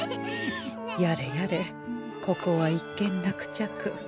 やれやれここは一件落着。